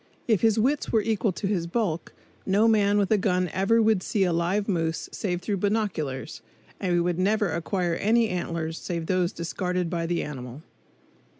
If his wits were equal to his bulk, no man with a gun ever would see a live moose save through binoculars, and we never would acquire any antlers save those discarded by the animal.